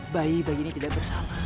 bayi bayi ini tidak bersalah